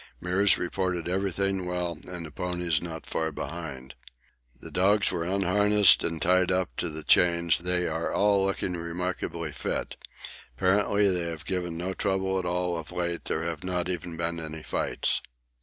Meares reported everything well and the ponies not far behind. The dogs were unharnessed and tied up to the chains; they are all looking remarkably fit apparently they have given no trouble at all of late; there have not even been any fights.